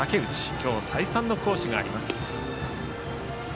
今日、再三の好守があります。